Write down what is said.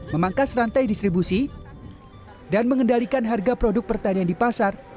memangkas rantai distribusi dan mengendalikan harga produk pertanian di pasar